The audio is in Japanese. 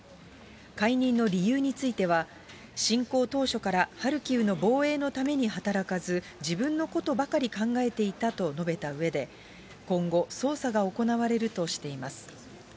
解任の理由については、侵攻当初からハルキウの防衛のために働かず、自分のことばかり考えていたと述べたうえで、今後、捜査が行われるとしています。